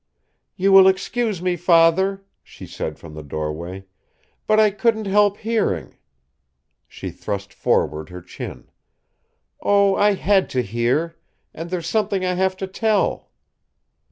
"You will excuse me, father," she said from the doorway, "but I couldn't help hearing." She thrust forward her chin. "Oh, I had to hear! And there's something I have to tell."